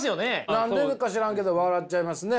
何でか知らんけど笑っちゃいますね。